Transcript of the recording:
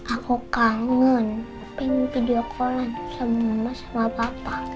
aku kangen pengen ke dekoran sama mama sama papa